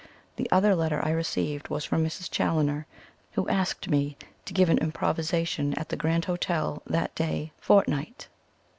The other letter I received was from Mrs. Challoner, who asked me to give an "Improvisation" at the Grand Hotel that day fortnight.